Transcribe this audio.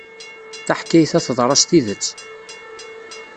Taḥkayt-a teḍra s tidet.